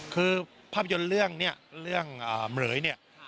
คือภาพยนตร์เรื่องนี่เรื่องเหมือนเดียว